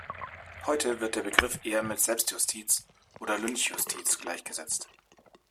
Heute wird der Begriff eher mit Selbstjustiz oder Lynchjustiz gleichgesetzt.